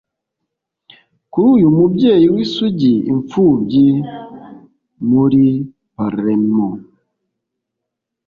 kuri uyu mubyeyi w'isugi, impfubyi muri palermo